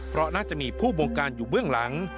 เพราะน่าจะมีผู้บงการอยู่เบื้องหลัง